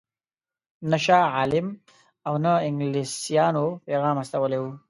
نه شاه عالم او نه انګلیسیانو پیغام استولی وو.